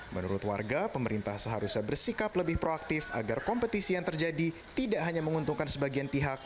menurut warga pemerintah seharusnya bersikap lebih proaktif agar kompetisi yang terjadi tidak hanya menguntungkan sebagian pihak